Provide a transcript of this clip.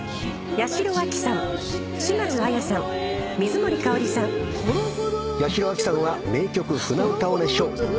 八代亜紀さんは名曲『舟歌』を熱唱。